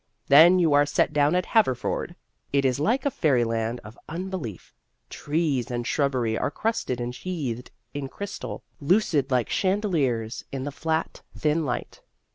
Then you are set down at Haverford. It is like a fairyland of unbelief. Trees and shrubbery are crusted and sheathed in crystal, lucid like chandeliers in the flat, thin light.